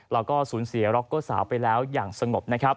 แล้วก็สูญเสียร็อกเกอร์สาวไปแล้วอย่างสงบนะครับ